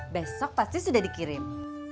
besok pasti sudah dikirim